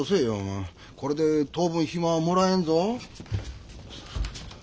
これで当分暇はもらえんぞ。